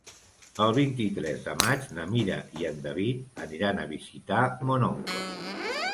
El vint-i-tres de maig na Mira i en David aniran a visitar mon oncle.